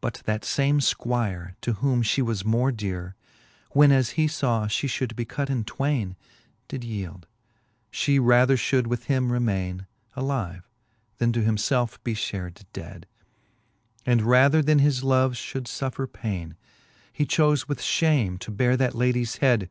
But that fame fquire, to whom flie was more dere, When as he faw fhe fhould be cut in twaine, Did yield, fhe rather flioiild with him remaine Alive, then to him felfe be fhared dead ; And rather then his love fhcv;ld fuffer paine, He chofe with fhame to beare that ladies head.